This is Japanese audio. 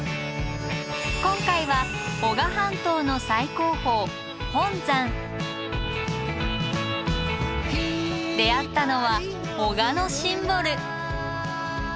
今回は男鹿半島の最高峰出会ったのは男鹿のシンボル！